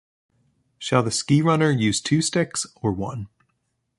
Shall the ski-runner use two sticks or one?